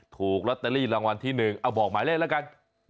ถูกลอตเตอรี่รางวัลที่๑เอาบอกหมายเลขแล้วกัน